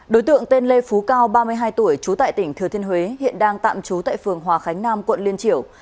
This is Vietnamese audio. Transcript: đối tượng tên lê phú cao ba mươi hai tuổi trú tại tỉnh thừa thiên huế hiện đang tạm trú tại phường hòa khánh nam quận liên triểu